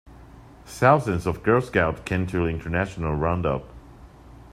Thousands of Girl Scouts came to the international Roundup.